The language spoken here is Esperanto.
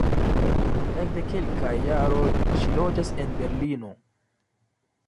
Ekde kelkaj jaroj ŝi loĝas en Berlino.